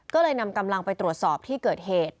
ก็เลยนำกำลังไปตรวจสอบที่เกิดเหตุ